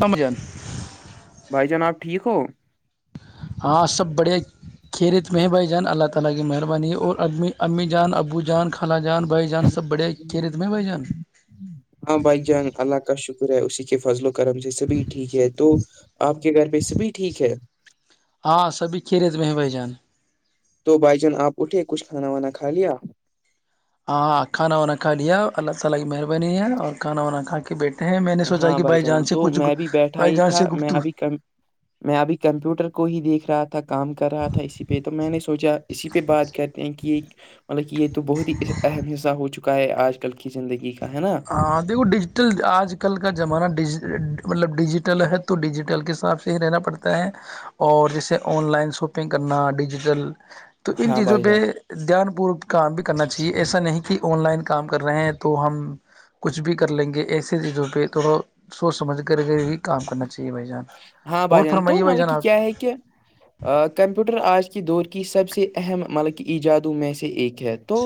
ہمم جان بھائی جانب ٹھیک ہو ہاں سب بڑے خھییرت میں بھائی جان اللہ تعالی کی مہربانی ہے اور ا امی جان ابو جان خال جان بھ جان سب بڑیا کھیریت میں بھائی جان ہاں بھائی جان اللہ کا شکر ہے اسی کے فضلوں کرم سے سبھی ٹھیک ہے تو آپ کے گھر پ سبھی ٹھیک ہے ہاں سبھی کھی رےت میں ہیں بھائی جان تو بھائی جان آپ اٹھے کچھ کھانا وانا کھا لیا ہاں ہاں کھانا وانا کھایا اللہ تعالی کی مہربانی ہے اور کھانا وانا کھا کے بیٹھ ہیں میں نے سوچا ہاں کہ بھائی بائی جان چانس سے تو کچھ میں بھی بیٹھا بائی ہی چانس سے تھا گپت میں ابھی کم میں ابھی کمپیوٹر کو ہی دیکھ رہا تھا کام کر رہا تھا اسی پہ تو میں نے سوچا اسی پہ بات کر کی کہ یہ مطلب کہ یہ تو بہت ہی اہم حصہ ہو چکا ہے آج کل کی زندگی کا ہے نا ہاں دیکھو ڈیجیٹل آج کل کا زمانہ ڈ مطلب ڈیجیٹل ہے تو ڈیجیٹل کے حساب سے ہی رہنا پڑتا ہے اور جیسے آن لائن شاپنگ کرنا ڈیجیٹل تو ان ہاں چیزوں بھائی پہ جان دھیان پوروک کام بھی کرنا چاہیے ایسا نہیں کہ آن لائن کام کر رہے ہیں تو ہم کچھ بھی کر لیں گے ایسے چیزوں پہ تھوڑا سوچ سمجھ کر کے ہی کام کرنا چاہیے بھائی جان ہاں اور بھائی جان تو فرمائیے بھائی مطلب کی آپ کیا ہے کیا کمپیوٹر آج کی دور کی سب سے اہم ملک ایجادوں میں سے ایک ہے تو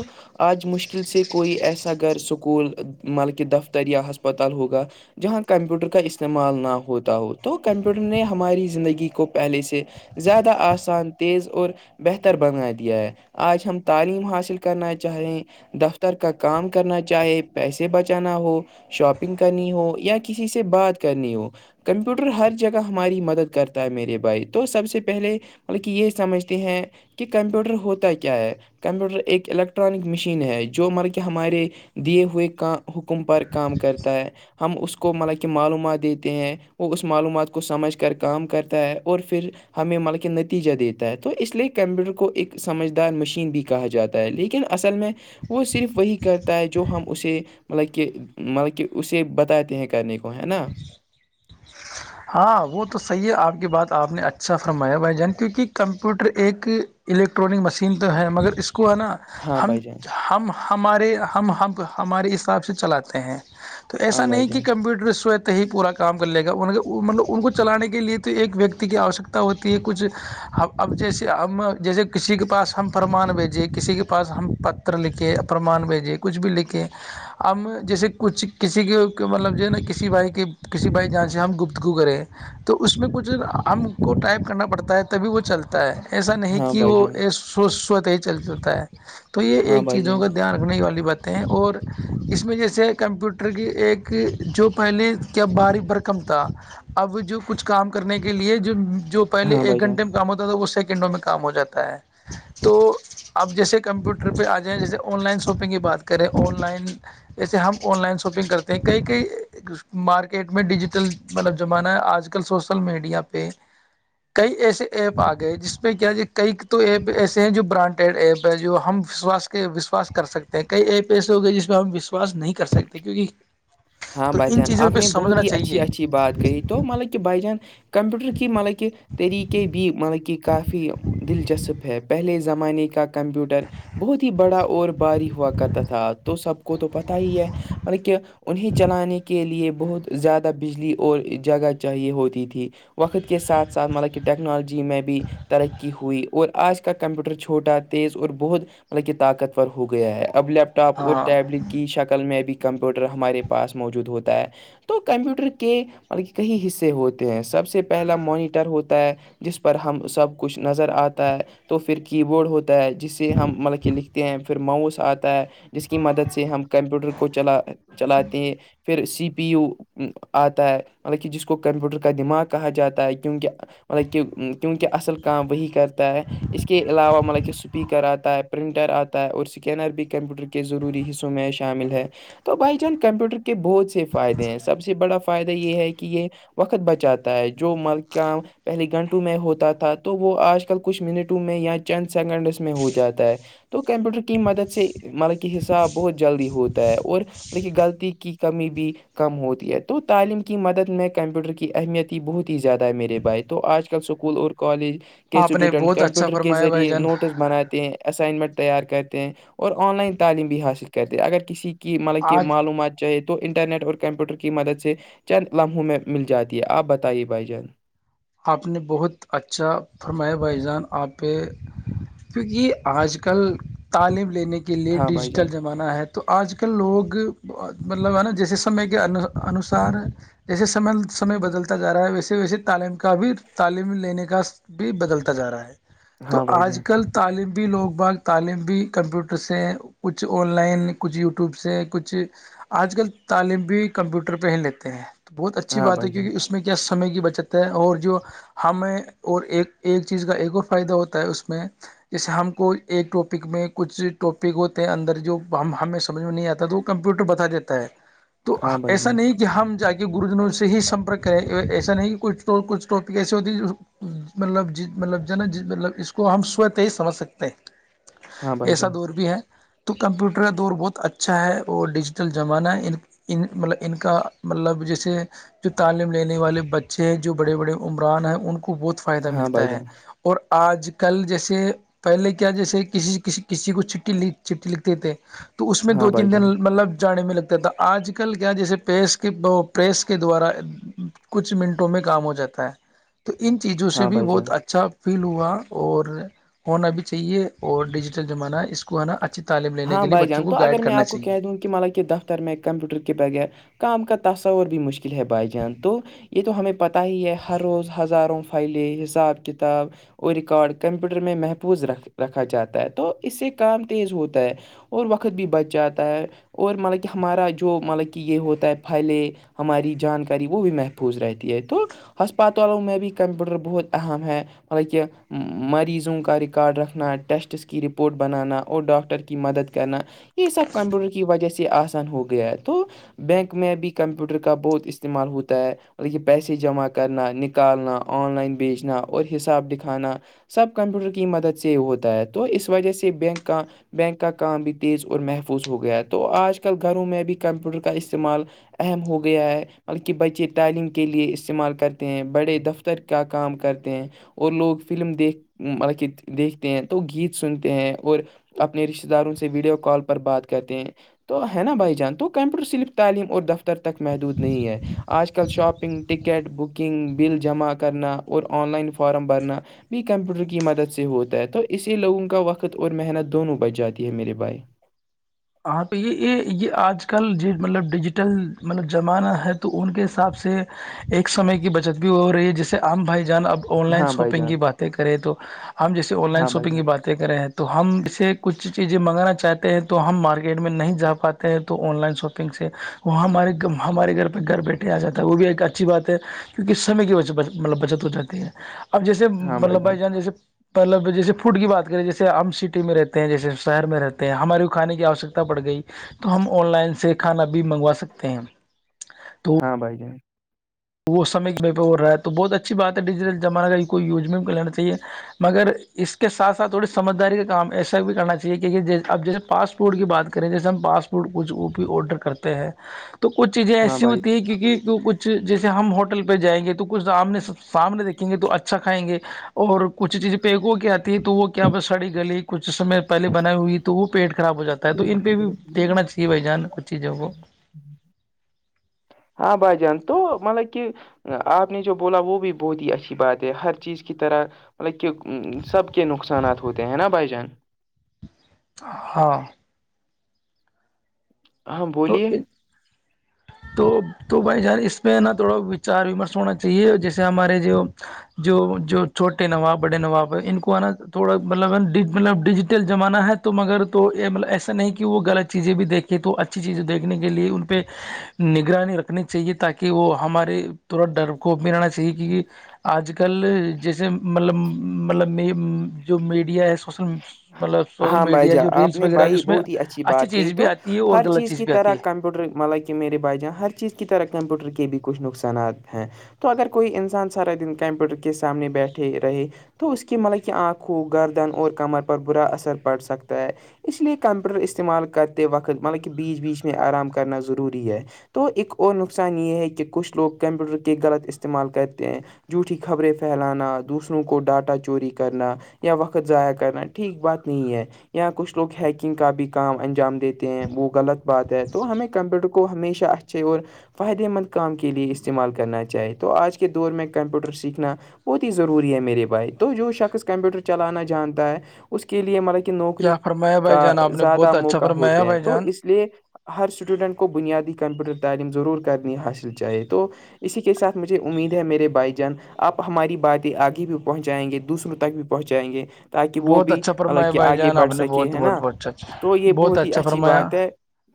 آج مشکل مشکل سے کوئی ایسا اگر سکول مال کے دفتر یا ہسپتال ہوگا جہاں کمپیوٹر کا استعمال نہ ہوتا ہو تو کمپیوٹر نے ہماری زندگی کو پہلے سے زیادہ آان تیز اور بہتر بنا دیا ہے آج ہم تعلیم حاصل کرنا چاہیں دفتر کا کام کرنا چاہے پیسے بچانا ہو شاپنگ کرنی ہو یا کسی سے بات کرنی ہو کم اسپیوٹر ہر جگہ ہماری مدد کرتا ہے میرے بھائی تو سب سے پہلے مطلب کہ یہ سمجھتے ہیں کہ کمپیوٹر ہوتا کیا ہے کمپیوٹر ایک الیکٹرانک مشین ہے جو مر کہ ہمارے دیے ہوئے کا حکم پر کام کرتا ہے ہم اس کو مطل کہ معلومات دیتے ہیں وہ اس معلومات کو سمجھ کر کام کرتا ہے اور پھر ہمیں ملکہ نتیجہ دیتا ہے تو اس لیے کمپیوٹر کو ایک سمجھدار مشین بھی کہا جاتا لیکن اصل میں وہ صرف وہی کرتا ہے جو ہم اسے مطلب کہ مطلب کہ اسے بتاتے ہیں کرنے کو ہے نا ہاں وہ تو صحی ہے آپ کی بات تو آپ نے اچھا فرمایا بھائی جان کیونکہ کمپیوٹر ایک الیکٹرانک مشین تو ہے مگر اس کو آ نا ہاں ہم بھائی جان ہم ہمارے ہم ہمارے حساب سے چلاتے ہیں تو ہاں ایسا بھائی نہیں کہ جان کمپیوٹر اسوت ہی پورا کام کر لے گا ان مطلب ان کو چلانے کے لیے تو ایک ویکتی کی آوشکتا ہوتی ہے کچھ اب جیسے ہم جیسے کسی کے پا ہم پرمان بھیجیں کسی کے پاس ہم پتر لکھیں اپمان بھیجیں کچھ بھی لکھیں ہم جیسے کچھ کسی کے مطلب جو ہے نا کسی بھائی کے کسی بھائی جہاں سے ہم گپت گو کرے تو اس میں کچھ ہم کو ٹائپ کرنا پڑتا ہے تبھی وہ چلتا ہے ایسا نہیں ہاں کہ بھائی جان وہو سوت ہی چل جتا ہے تو یہ ہاں ایک بھائی چیزوں جان کا دھیان رکھنے والی باتیں ہیں اور اس میں جیسے کمپیوٹر کی ایک جو پہلے کیا باریک برکم تھا اب جو کچھ کام کرنے کے لیے جو جو پہلے ہاں بھائی ایک جان گھنٹے کام ہوتا تو وہ سیکنڈوں میں کام ہو جاتا ہے تو اب جیسے کمپیوٹر پہ آ جائیں جیسے آن لائن شاپنگ کی بات کریں آن لائن جیسے ہم آن لائن شاپنگ کرتے ہیں کئی کئی مارکیٹ میں ڈیجیٹل مطلب زمانہ ہے آج کل سوسل میڈیا پہ کئی ایسے ایپ آ گئے جس پہ کیا کئی تو ایپ ایسے ہیں جو برانڈ ایپ ہے جو ہما کے وشواس کر سکتے ہیں کئی ایپ ایسے ہو گئے جس پہ ہم وشواس نہیں کر سکتے کیونکہ ہاں تو بھائی ان جان چیزوں آپ پہ نے بہت سمجھنا ہی اچھی چاہیے اچھی بات کہی تو مطلب کہ بائی جان کمپیوٹر کی مطلب کہ طریقے بھی مطلب کہ کافی دلچسپ ہے پہلے زمانے کا کمپیوٹر بہت ہی بڑا اور باری ہوا کرتا تھا تو سب کو تو پتاہ ہی ہے مط کہ انہیں چلانے کے لیے بہت زیادہ بجلی اور جگہ چاہیے ہوتی تھی وقت کے ساتھ ساتھ مطلب کہ ٹیکنالوجی میں بھی ترقی ہوئی اور آج کا کمپیوٹر چھوٹا تیز اور بہت مطلب کہ طاقتور ہو گیا ہے اب لیپٹ اپ اور ہاں ٹیبل کی شکل میں بھی کمپیوٹر ہمارے پاس موجود ہوتا ہے تو کمپیوٹر کے مطلب کئی حصے ہوتے ہیں سب سے سے پہلا مانیٹر ہوتا ہے جس پر ہم سب کچھ نظر آتا ہے تو پھر کی بورڈ ہوتا ہے جس سے ہم مطلب کہ لکھتے ہیں پھر ماؤوس آتا ہے جس کی مدد سے ہم کمپیوٹر کو چلا چلاتے ہیں پھر سی پی یو آتا ہے مطلب کہ جس کو کمپیوٹر کا دماغ کہا جاتا ہے کیونکہ مطلب کہ کیونکہ اصل کام وہی کرتا ہے اس کے علاوہ مطلب کہ سپیکر آتا ہے پرنٹر آتا ہے اور اسکینر بھی کمپیوٹر کے ضروری حصوں میں شامل ہے تو بائی چانس کمپیوٹر کے بہت سے فائدے ہیں سب سے بڑا فائدہ یہ ہے کہ یہ وقت بچاتا ہے جو مال کا پہلے گھنٹوں میں ہوتا تھا تو وہ آج کل کچھ منٹوں میں یا چند سیکنڈس میں ہو جاتا ہے تو کمپیوٹر کی مدد سے مطلب کہ حصہ بہت جلدی ہوتا ہے اور لیکن غلطی کی کمی بھی کم ہوتی ہے تو تعلیم کی مدد میں کمپیوٹر کی اہمیت ہی بہت ہی زیادہ ہے میرے بھائے تو آج ل اسکول اور کالج کے آپ نے اسٹوڈنٹ بہت اچھا کمپیوٹر کے فرمایا بھائی ذریعے جان نوٹس بناتے ہیں اسائنمنٹ تیار کرتے ہیں اور آن لائن تعلیم بھی حاصل کرتے ہیں اگر کسی کی مطلب کہ آج معلومات چاہ تو انٹرنیٹ اور کمپیوٹر کی مدد سے چند لمحوں میں مل جاتی ہے آپ بتائیے بھائی جان آپ نے بہت اچھا فرما بھائی جان آپ پہ کیونکہ آج کل تعلیم لینے کے لیے ہاں بھائی جان ڈیجیٹل جمع مانا ہے تو آج کل لوگ مطلب ہے نا جیسے سمے کے انوسار جیسےممے بدلتا ج رہا ہے ویسے ویسے تعلیم کا بھی تعلیم لینے کا بھی بدلتا جا رہا ہے تو ہاں بھائی آج جان کل تو تعلیم بھی لوگ بھگ تعلیم بھی کمپیوٹر سے کچھ آن لائن کچھ یوٹیوب سے کچھ آج کل تعلیم بھی کمپیوٹر پہ ہی لیتے ہیں تو بہت اچھی ہاں بات ہے بھائی جان کیونکہ اس میں کیامے کی بچت ہے اور جو ہمیں اور ایک ایک چیز کا ایک اور فائدہ ہوتا ہے اس میں جیسے ہم کو ایک ٹاپک میں کچھ ٹاپک ہوتے ہیں اندر جو ہم ہمیں سمجھ میں نہیں آتا تو کمپیوٹر بتااتا ہے [unintelligible] تو ایسا جان نہیں کہ ہم جا کے گروجنوں سے ہی سمپرک کریں ایسا نہیں کہ کچھ تو کچھ ٹاپک ایسی ہوتی جو مطلب ج مطلب جناا مطلب اس کو ہم سوت ہی سمجھ سکتے ہیں ہاں بھائی ایسا جان دور بھی ہے تو کمپیوٹر کا دور بہت اچھا ہے اور ڈیجیٹل زمانہ ہے ان ان مطلب ان کا مطلب جیسے جو تعلیم لینے والے بچے بڑے بڑے عمران ہیں ان کو بہت فائدہ ہاں ملتا بھائی ہے جان اور آج کل جیسے پہلے کیا جیسے کسی کسی کسی کو چ چٹٹی لکھتے تھے تو اس میں ہاں دو بھائی تین دن جان مطلب جانے میں لگتا تھا آج کل کیا جیسے پس پریس کے دوارا کچھ منٹوں میں کام ہو جاتا ہے تو ان چیزوں سے ہاں بھی بھائی جان بہت اچھا فیل ہوا اور ہونا بھی چاہیے اور ڈیجیٹل زمانہ ہے اس کو آنا اچھھی تعلیم لینے ہاں کے لیے بھائی بچوں جان کو تو اگر گائڈ میں کرنا آپ کو چاہیے کہہ دوں کہ ملا کے دفتر میں کمپیوٹر کے بغیر کام کا تصور بھی مشکل ہے بھائی جان تو یہ تو ہمیں پتہ ہی ہے ہر روز ہزاروں فائلیں حساب کتاب اور ریکارڈ کمپیوٹر میں محفوظ رکھ رکھا جاتا ہے تو اس سے کام تیز ہوتا ہے اور وقت بھی بچ جاتا ہے اور مطلب کہ ہمارا جو مطلب کہ یہ ہوتا ہے پھلے ہماری جانکاری وہ بھی محفوظ رہتی ہے تو ہسپتالوں میں بھی کمپیوٹر بہت اہم ہے حطلب کہ مریضوں کا ریکارڈ رکھنا ٹیسٹس کی رپورٹ بنانا اور ڈاکٹر کی مدد کرنا یہ سب کمپیوٹر کی وجہ سے آسان ہو گیا ہے تو بینک میں بھی کمپیوٹر کا بہت استعمال ہوتا ہے مطلب کہ پیسے جمع کرنا نکالنا آن لائن بیچنا اور حساب دکھانا سب کمپیوٹر کی مدد سے ہوتا ہے تو اس وجہ سے بینک کا بینک کا کام بھی تیز اور محفوظ ہو گیا ہے تو آج کل گھروں میں بھی کمپیوٹر کا استعمال اہم ہو گیا ہے بلکہ بچے تعلیم کے لئے استعمال کرتے ہیں بڑے دفتر تر کیا کام کرتے ہیں اور لوگ فلم دیکھ مطلب کہ دیکھتے ہیں تو گیت سنتے ہیں اور اپنے رشتتے داروں سے ویڈیو کال پر بات کرتے ہیں تو ہے نا بھائی جان تو کمپیوٹر صرف تعلیم اور دفتر تک محدود نہیں ہے آج کل شاپنگ ٹکٹ بکنگ بل جمع کرنا اور آن لائن فارم بھرنا بھی کمپیوٹر کی مدد سے ہوتا ہے تو اسی لوگوں کا وقت اور محنت دونوں بچ جاتی ہے میرے بھائی ہاں پہ یہ یہ یہ آج کل جو مطلب ڈیجیٹل مطلب زمانہ ہے تو ان کے حساب سے ایک سمے کی بچت بھی ہو رہی ہے جیسے عام بھائی جان اب آن لائن ہاں بھائی شاپنگ جان کی باتیں کریں تو ہم جیے آن لائن ہاں بھائی شاپنگ کی جان باتیں کرے ہیں تو ہم اسے کچھ چیزیں منگانا چاہتے ہیں تو تو ہم مارکیٹ میں نہیں جا پاتے ہیں تو آن لائن شاپنگ سے وہ ہمارے ہمارے گھر پہ گھر بیٹھے جاتا ہے وہ بھی ایک اچھی بات ہے کیکہ سمے کی وج مطلب بچت ہو جاتی ہے اب جیسے مطلب بھائی جان جیسے مطلب جیسے فوڈ کی بات کریں جیسے ہم سٹی میں رہتے ہیں جیسے شہر میں رہتے ہیں ہمارے کھانے کی آوشکتا پڑ گئی تو ہم آن لائن سے کھانا بھی منگوا سکتے ہیں تو ہاں بائی جان وہ سم پہ رہا ہے بہت اچھی بات ہے ڈیجیٹل زمانہ کا کوئی یوج کوہ لینا چیے مگر اس کے ساتھ سھ تھوڑی سمجھداری کا کام ایسا بھی کرنا چاہیے کیک اب جیسے پاسٹ فڈ کی بات کریں جیسے ہم پاسٹ فوڈ کچھ ا بھی آڈر کرتے ہیں تو کچھ چیزیں ہاں ایسی بھائی ہوتی ہیں کیونکہ کچھ جیسے ہم ہوٹل پہ جائیں گے تو کچھ سامنے سامنے دیکھیں گے تو اچھا کھائیں گے اور کچھ چیزیں پیکوں کی آتی ہے تو وہ کیا ب سڑی گلی کچھ سمے پہلے بناائی ہوئی تھی تو وہ پیٹ خراب ہو جاتا ہے تو ان پہ بھی دیکھنا چاہیے بھائی جان کچھ چیزوں کو ہاں بائی جان تو مل کہ آپ نے جو بولا وہ بھی بہت ہی اچھی بات ہے ہر چیز کی طرح مطلب کہ سب کے نقصانات ہوتے ہیں نا بھائی جان ہاں ہاں بولیے تو تو تو بھائی جان اس پہ نا تھوڑا وچار ومرش ہونا چاہیے جیسے ہمارے جو جو جو چھوٹے نواب بڑے نواب ہے ان کو ہے نا تھوڑا مطلب مطلب ڈیجیٹل زمانہ ہے تو مگر تو مطلب ایسا نہیں کہ وہ غط چیزیں بھی دیکھیں تو اچھی چیزیں دیکھنے کے لیے ان پہ [unintelligible] نگرانی رکھنی چاہیے تاکہ وہ ہمارے تورت ڈر کو بھی رہنا چاہیے کیونکہ آج کل جیسے مطلب مطلب جو میڈیا ہے سوشل سوشل ہاں بھائی میڈیا جا جو آپ ریلس نے وغیرہ بھائی اس میں بہت ہی اچھی بات کہی چیز بھی تو آتی ہے اور ہر غلط چیز کی بھی آتی طرح ہے کمپیوٹر مطلب کہ میرے بھائی جان ہر چیز کی طرح کمپیوٹر کے بھی کچھ نقصانات ہیں تو اگر کوئی انسان سارا دن کمپیوٹر کے سامنے بیٹھے رہے تو اس کی مطلب کہ آنکھوں گردن اور کمر پر برا اثر پڑ سکتا ہے اس لیے کمپیوٹر استعمال کرتے وقت مطلب کہ بیچ بیچ میں آرام کرنا ضروری ہے تو ایک اور نقصان یہ ہے کہ کچھ لوگ کمپیوٹر کے غلط استعمال کرتے ہیں جھوٹیھی خبریں پھیلانا دوسروں کو ڈاٹا چوری کرنا یا وقت ضائع کرنا ٹھیک بات نہیں ہے یا کچھ لوگ ہیکنگ کا بھی کام انجام دیتے ہیں وہ غلط بات ہے تو ہمیں کمپیوٹر کو ہمیشہ اچھے اور فائدے مند کام کے لیے استعمال کرنا چاہے تو آج کے دور میں کمپیوٹر سیکھنا بہت ہی ضروری ہے میرے بھائی تو جو شخص کمپیوٹر چلانا جانتا ہے اس کے لیے مطلب نوکری کیا فرمایا بھائی کا جان آپ نے زیادہ بہت اچھا موقع ہوتے فرمایا ہیں بھائی تو جان اس اس لیے ہر اسٹوڈنٹ کو بنیادی کمپیوٹر تعلیم ضرور کرنی حاصل چاہے تو اسی کے ساتھ مجھے امید ہے میرے بھائی جان آپ ہماری باتیں آگے بھی پہنچائیں گے دوسروں تک بھی پہنچائیں گے تاکہ وہ بہت بھی اچھا ال فرمایا کہ بھائی آگے جان آپ بڑھ نے سکے بہت ہے بہت نا بہت اچھا تو اچھا یہ بہت ہی اچھا اچھی فرمایا بات ہے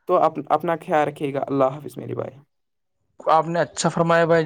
تو اپنا خیال رکھے گا اللہ حافظ میری بائے آپ نے اچھا فرمایا بھائی